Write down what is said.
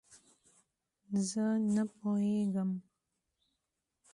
زۀ نۀ پوهېږم.